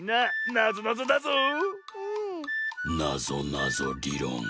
「なぞなぞりろん」